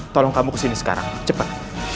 tolong kamu kesini sekarang cepat